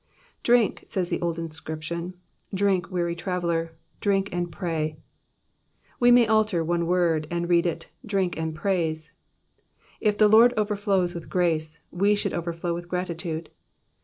Drink,'' says the old inscription, *' drink, weary traveller ; drink and pray.'' We may alter one word, and read it, drink and praise. If the Lord overflows with grace, we should overflow with gratitude.